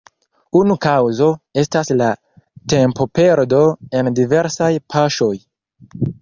Unu kaŭzo estas la tempoperdo en diversaj paŝoj.